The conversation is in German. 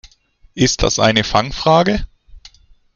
Ist das eine Fangfrage?